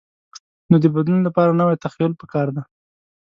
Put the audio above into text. نو د بدلون لپاره نوی تخیل پکار دی.